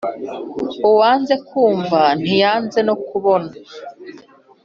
uwanze kumva ntiyanze no kubona